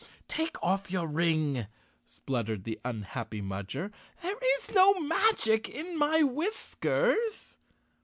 Take off your ring," spluttered the unhappy Mudger, "there is no magic in my whiskers."